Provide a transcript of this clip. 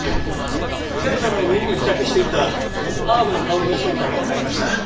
被害者の耳に付着していたハーブの香りの正体がわかりました。